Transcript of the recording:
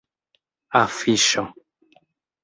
afiŝo